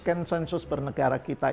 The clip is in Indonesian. konsensus bernegara kita